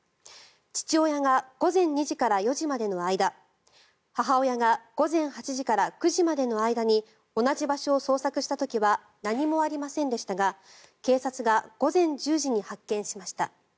父親が午前２時から４時までの間母親が午前８時から９時までの間に同じ場所を捜索した時は何もありませんでしたが警察が午前１０時に発見しました。